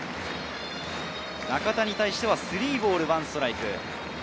中田に対しては３ボール１ストライク。